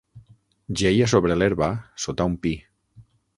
Jeia sobre l'herba, sota un pi.